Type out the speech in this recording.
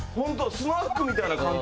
スナックみたいな感じ？